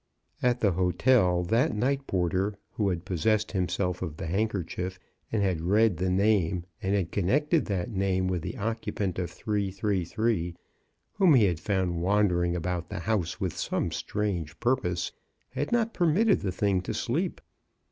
At the hotel that night porter, who had pos sessed himself of the handkerchief, and had read the name, and had connected that name with the occupant of 333, whom he had found wandering about the house with some strange purpose, had not permitted the thing to sleep.